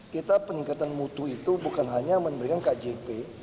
kita peningkatan mutu itu bukan hanya memberikan kjp